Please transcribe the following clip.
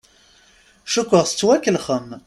Cukkeɣ tettwakellexem.